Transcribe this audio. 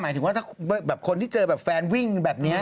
หมายถึงว่าคนที่เจอแฟนวิ่งแบบนี้